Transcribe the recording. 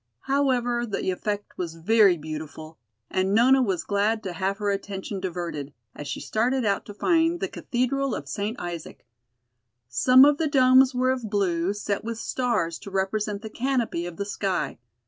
However, the effect was very beautiful, and Nona was glad to have her attention diverted, as she started out to find the Cathedral of St. Isaac. Some of the domes were of blue, set with stars to represent the canopy of the sky.